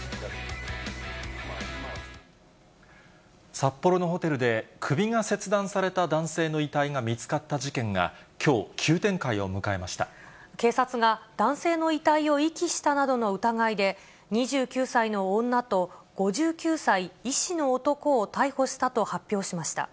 札幌のホテルで、首が切断された男性の遺体が見つかった事件が、きょう、急展開を警察が、男性の遺体を遺棄したなどの疑いで、２９歳の女と、５９歳医師の男を逮捕したと発表しました。